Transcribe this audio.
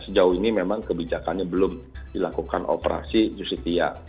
sejauh ini memang kebijakannya belum dilakukan operasi justia